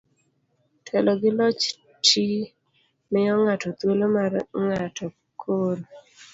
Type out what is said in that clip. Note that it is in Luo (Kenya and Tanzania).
telo gi loch ti miyo ng'ato thuolo mar ng'ato koro